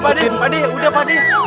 pak d pak d pak d udah pak d